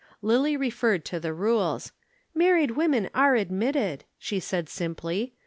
Lillie referred to the rules. "Married women are admitted," she said simply.